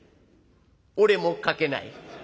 俺も書けない。